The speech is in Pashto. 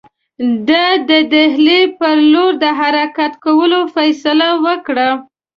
ده د ډهلي پر لور د حرکت کولو فیصله وکړه.